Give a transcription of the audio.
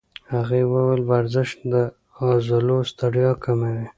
هغې وویل ورزش د عضلو ستړیا کموي.